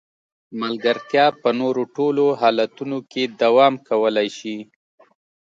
ملګرتیا په نورو ټولو حالتونو کې دوام کولای شي.